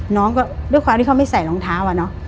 น้องก็ด้วยความที่เขาไม่ใส่รองเท้าอะเนาะ